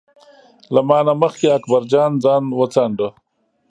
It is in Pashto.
له ما نه مخکې اکبر جان ځان وڅانډه.